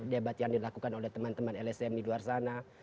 debat yang dilakukan oleh teman teman lsm di luar sana